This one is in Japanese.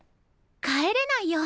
帰れないよ。